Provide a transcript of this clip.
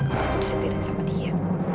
aku disetirin sama dia